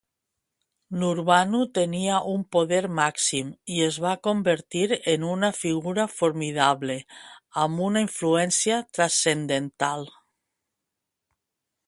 Nurbanu tenia un poder màxim i es va convertir en una figura formidable amb una influència transcendental.